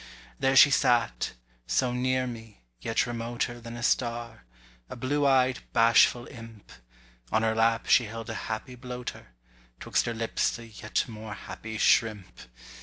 There she sat—so near me, yet remoter Than a star—a blue eyed bashful imp: On her lap she held a happy bloater, 'Twixt her lips a yet more happy shrimp.